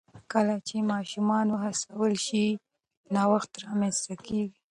کله چې ماشومان وهڅول شي، نوښت رامنځته کېږي.